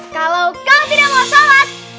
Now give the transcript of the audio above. kalau kau tidak mau sholat